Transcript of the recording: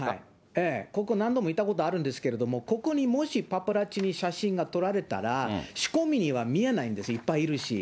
ええ、ここ何度も行ったことあるんですけども、ここにもしパパラッチに写真が撮られたら、仕込みには見えないんです、いっぱいいるし。